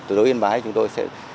từ đối với yên bái